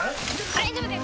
大丈夫です